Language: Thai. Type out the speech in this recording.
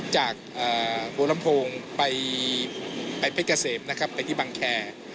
จากหัวลำโพงไปเป็ดกระเสมไปที่บั้งแคร์